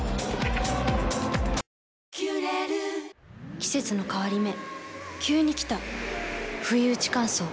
季節の変わり目急に来たふいうち乾燥。